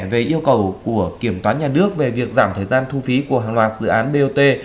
về yêu cầu của kiểm toán nhà nước về việc giảm thời gian thu phí của hàng loạt dự án bot